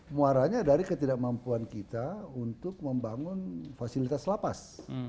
muaranya dari ketidakmampuan kita untuk membangun fasilitas lapas